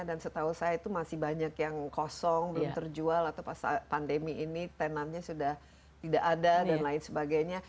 dan setahu saya itu masih banyak yang kosong belum terjual atau pas pandemi ini tenannya sudah tidak ada dan lain sebagainya